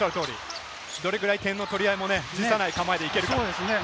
どれぐらい点の取り合いもね、辞さない構えでいけるかですね。